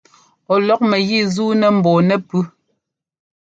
Ɔ lúk mɛgǐ zuunɛ mbɔɔ nɛ́pʉ́.